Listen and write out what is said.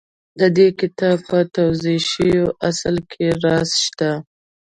د دې کتاب په توضيح شويو اصولو کې راز شته.